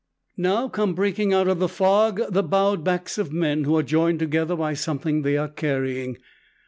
Now come breaking out of the fog the bowed backs of men who are joined together by something they are carrying.